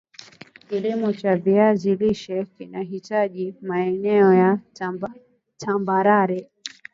kilimo cha viazi lishe kinahitaji maeneo ya tambarare